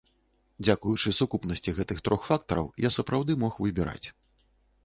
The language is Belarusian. Дзякуючы сукупнасці гэтых трох фактараў, я сапраўды мог выбіраць.